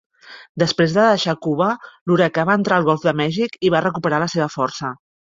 Després de deixar Cuba, l'huracà va entrar al Golf de Mèxic i va recuperar la seva força.